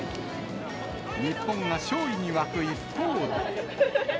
日本が勝利に沸く一方で。